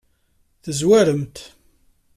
Tzerwemt.